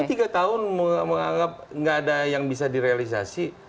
tapi tiga tahun menganggap nggak ada yang bisa direalisasi